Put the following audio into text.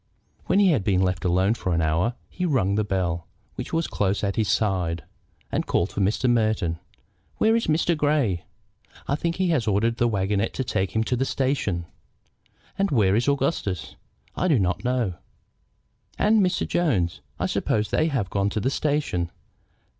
When he had been left alone for an hour he rung the bell, which was close at his side, and called for Mr. Merton. "Where is Mr. Grey?" "I think he has ordered the wagonette to take him to the station." "And where is Augustus?" "I do not know." "And Mr. Jones? I suppose they have not gone to the station.